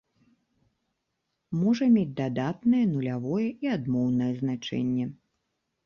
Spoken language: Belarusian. Можа мець дадатнае, нулявое і адмоўнае значэнне.